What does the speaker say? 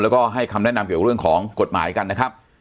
แล้วก็ให้คำแนะนำเกี่ยวกับเรื่องของกฎหมายกันนะครับ